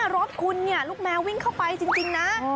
รถคุณลูกแมววิ่งเข้าไปจริงนะ